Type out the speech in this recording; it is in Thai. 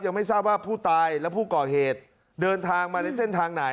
ยังไม่ทราบว่าผู้ตายและผู้ก่อเหตุเดินทางมาในเส้นทางไหน